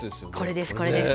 これですこれです。